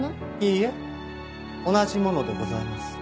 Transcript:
いいえ同じものでございます。